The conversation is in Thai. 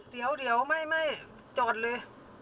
เดี๋ยวไม่จอดเลย